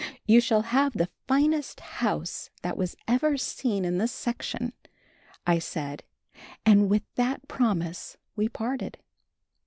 You shall have the finest house that was ever seen in this section," I said, and with that promise we parted.